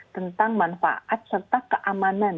tentang manfaat serta keamanan